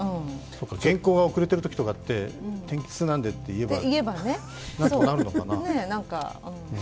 原稿が遅れてるときとかって天気痛ですとか言えば何とかなるのかな。